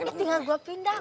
tinggal gue pindah